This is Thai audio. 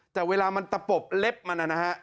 แต่เวลามันตะปบเล็บมันนะฮะ